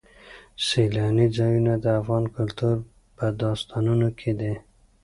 سیلاني ځایونه د افغان کلتور په داستانونو کې دي.